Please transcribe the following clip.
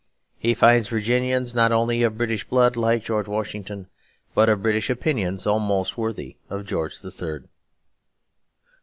He finds Virginians not only of British blood, like George Washington, but of British opinions almost worthy of George the Third.